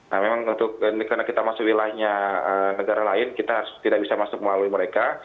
nah memang karena kita masuk wilayahnya negara lain kita tidak bisa masuk melalui mereka